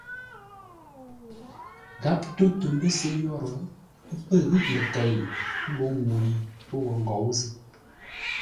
Gháp tó tə mbə́ se yórə́, ə́ pə̂ ghíʼ ləkei mbó ŋuu yi pə́ wo ngǒu zʉ́.